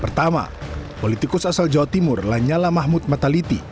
pertama politikus asal jawa timur lanyala mahmud mataliti